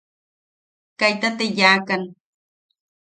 Kaita te yaʼakan.